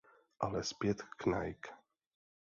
Ale zpět k Nike.